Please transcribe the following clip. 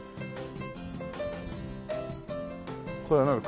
これはなんだ？